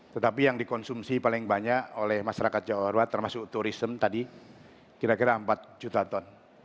tetapi yang dikonsumsi paling banyak oleh masyarakat jawa barat termasuk turism tadi kira kira empat juta ton